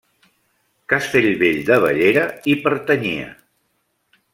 Castellvell de Bellera hi pertanyia.